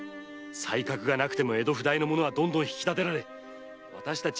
才覚がなくても江戸譜代の者はどんどん引き立てられ私たち